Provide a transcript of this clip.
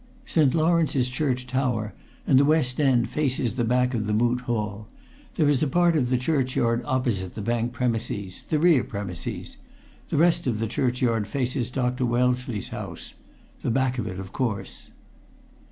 St. Lawrence's church tower and west end faces the back of the Moot Hall; there is a part of the churchyard opposite the bank premises the rear premises; the rest of the churchyard faces Dr. Wellesley's house the back of it, of course."